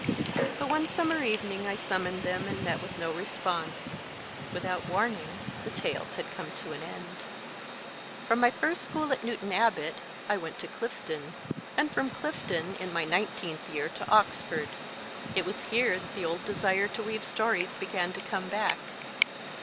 But one summer evening I summoned them and met with no response. Without warning the tales had come to an end. From my first school at Newton Abbot I went to Clifton, and from Clifton in my nineteenth year to Oxford. It was here that the old desire to weave stories began to come back.